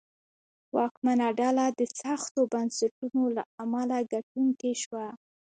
واکمنه ډله د سختو بنسټونو له امله ګټونکې شوه.